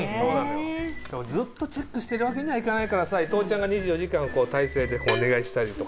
でもずっとチェックしてるわけにはいかないからさ伊藤ちゃんが２４時間態勢でお願いしたりとか。